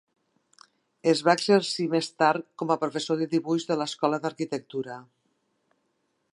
Es va exercir més tard com a Professor de Dibuix de l'Escola d'Arquitectura.